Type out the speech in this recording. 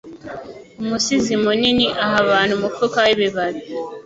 Umusizi munini aha abantu umufuka wibibabi